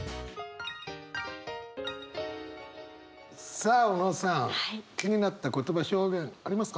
さあ小野さん気になった言葉表現ありますか？